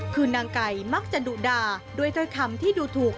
คือนางไก่มักจะดุด่าด้วยถ้อยคำที่ดูถูก